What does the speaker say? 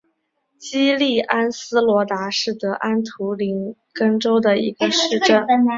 基利安斯罗达是德国图林根州的一个市镇。